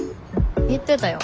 言ってたよ。